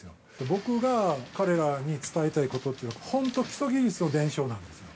僕が彼らに伝えたいことというのは、本当基礎技術の伝承なんですよ。